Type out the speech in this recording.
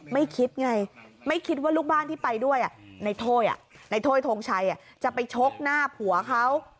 ไม่คิดไงไม่คิดว่าลูกบ้านที่ไปด้วยในโถยทงชัยจะไปชกหน้าผัวเขา